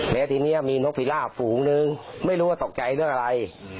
แล้วทีนี้มีนกพิล่าฝูงนึงไม่รู้ว่าตกใจเรื่องอะไร